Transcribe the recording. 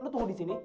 lo tunggu disini